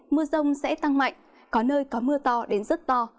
mưa rông sẽ tăng mạnh có nơi có mưa to đến rất to